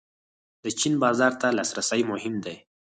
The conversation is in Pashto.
د چین بازار ته لاسرسی مهم دی